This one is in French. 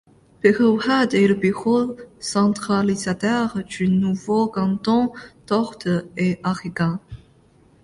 Peyrehorade est le bureau centralisateur du nouveau canton d'Orthe et Arrigans.